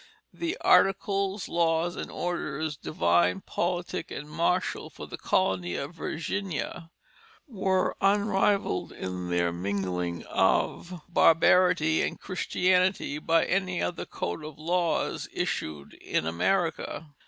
The "Articles Lawes and Orders Divine Politique and Martiall for the colony of Virginea" were unrivalled in their mingling of barbarity and Christianity by any other code of laws issued in America.